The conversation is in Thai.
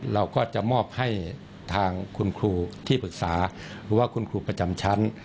เราก็จะมอบให้ทางคุณครูที่ปรึกษาหรือว่าคุณครูประจำชั้น